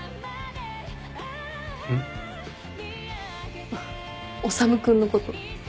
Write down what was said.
ん？あっ修君のこと。